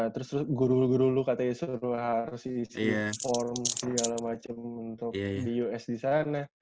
terus guru guru lu katanya suruh harus isi form segala macem untuk di us disana